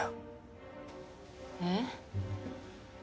えっ？